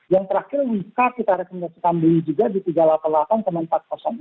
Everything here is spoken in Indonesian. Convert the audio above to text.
yang terakhir wika kita rekomendasi sambilnya juga di tiga ratus delapan puluh delapan sampai empat puluh